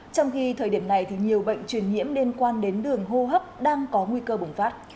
trong khi thời điểm này nhiều bệnh truyền nhiễm liên quan đến đường hô hấp đang có nguy cơ bùng phát